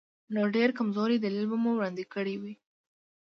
نو ډېر کمزوری دلیل به مو وړاندې کړی وي.